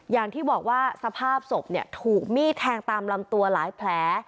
อย่างที่บอกว่าสภาพศพเนี่ยถูกมีดแทงตามลำตัวหลายแผล